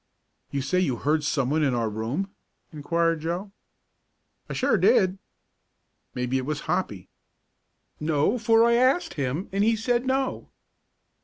"You say you heard someone in our room?" inquired Joe. "I sure did." "Maybe it was Hoppy." "No, for I asked him, and he said no."